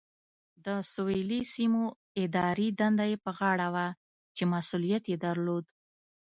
د سویلي سیمو اداري دنده یې په غاړه وه چې مسؤلیت یې درلود.